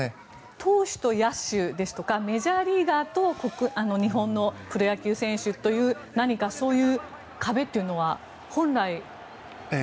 投手と野手ですとかメジャーリーガーと日本のプロ野球選手という何か、そういう壁というのは本来あるものなんでしょうか。